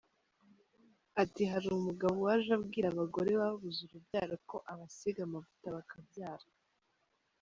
Ati “hari umugabo waje abwira abagore babuze urubyaro ko abasiga amavuta bakabyara.